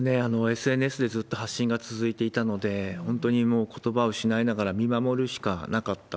ＳＮＳでずっと発信が続いていたので、本当にもう、ことばを失いながら、見守るしかなかった。